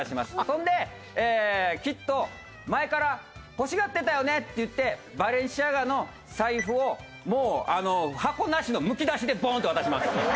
それできっと「前から欲しがってたよね」って言ってＢＡＬＥＮＣＩＡＧＡの財布をもう箱なしのむき出しでボン！と渡します。